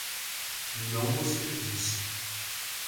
Não gostei disso